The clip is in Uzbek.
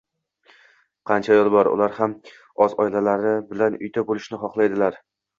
Qancha adyol bor? Ular ham o'z oilalari bilan uyda bo'lishni xohlaydilar